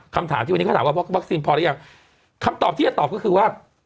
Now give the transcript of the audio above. คำถามที่วันนี้เขาถามว่าวัคซีนพอหรือยังคำตอบที่จะตอบก็คือว่า